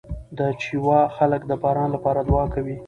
د چیواوا خلک د باران لپاره دعا کوي.